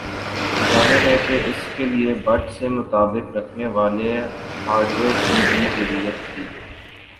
ظاہر ہے کہ اس کے لئے بٹ سے مطابقت رکھنے والے ہارڈویئر کی بھی ضرورت تھی